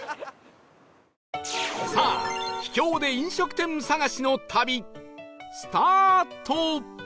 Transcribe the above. さあ秘境で飲食店探しの旅スタート！